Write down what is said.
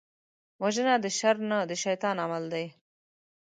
وژنه د شر نه، د شيطان عمل دی